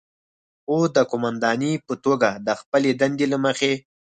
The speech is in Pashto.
خو د قوماندانې په توګه د خپلې دندې له مخې،